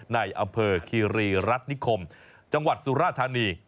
ในอำเภอคีรีรัฐนิคมจังหวัดสุราธานี